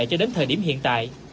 cho đến thời điểm hiện tại